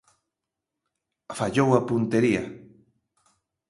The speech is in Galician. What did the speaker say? Fallou a puntería.